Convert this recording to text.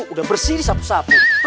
sudah bersih disapu sapu